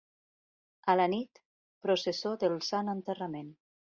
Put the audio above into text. A la nit, processó del Sant Enterrament.